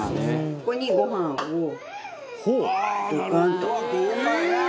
ここに、ご飯をドカンと。